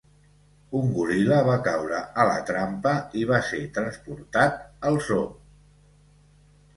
Un goril·la va caure a la trampa i va ser transportat al zoo.